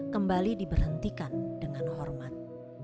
kembali diberhentikan dengan hormat